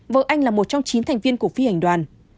vợ anh là một trong chín thành viên của phi hành đoàn